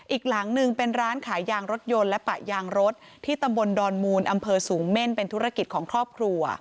อีกหลังหนึ่งเป็นร้านขายยางรถยนต์และปะยางรถที่ตำบลดอนมูลอำเภอสูงเม่นเป็นธุรกิจของครอบครัว